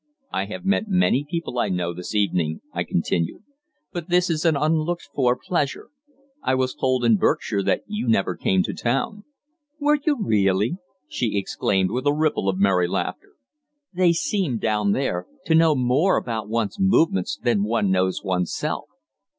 "I have met many people I know, this evening," I continued, "but this is an unlooked for pleasure. I was told in Berkshire that you never came to town." "Were you really?" she exclaimed with a ripple of merry laughter. "They seem, down there, to know more about one's movements than one knows oneself."